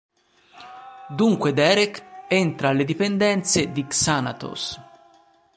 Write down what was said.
Dunque Derek, entra alle dipendenze di Xanatos.